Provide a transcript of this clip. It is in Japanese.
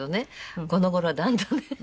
この頃はだんだんね